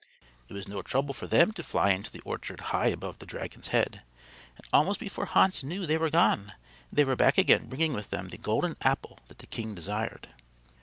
It was no trouble for them to fly into the orchard high above the dragon's head; and almost before Hans knew they were gone they were back again bringing with them the golden apple that the king desired.